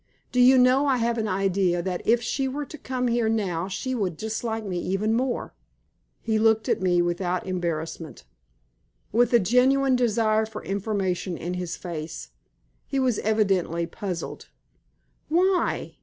"Do you know I have an idea that if she were to come here now she would dislike me even more." He looked at me without embarrassment, with a genuine desire for information in his face. He was evidently puzzled. "Why?"